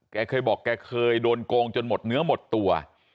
แกเคยบอกแกเคยโดนโกงจนหมดเนื้อหมดตัว